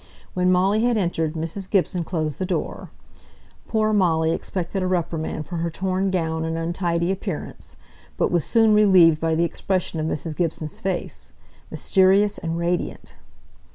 When Molly had entered Mrs. Gibson closed the door. Poor Molly expected a reprimand for her torn gown and untidy appearance, but was soon relieved by the expression of Mrs. Gibson's face mysterious and radiant.